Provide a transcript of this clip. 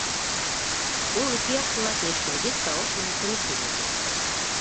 Ул ике яҡты ла килештергес тауыш менән тыныс һөйләнде.